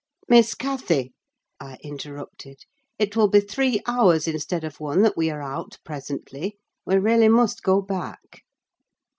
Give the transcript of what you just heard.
"Miss Cathy," I interrupted, "it will be three hours instead of one that we are out, presently. We really must go back."